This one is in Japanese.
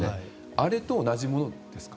あれと同じものですか？